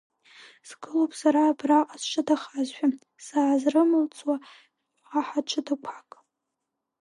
Сгылоуп сара абраҟа сҽадахазшәа, саазрылымҵуа уаҳа ҽадақәак.